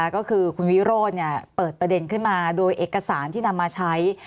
ก็คือคุณวิโรธเปิดประเด็นขึ้นมาโดยเอกสารที่นำมาใช้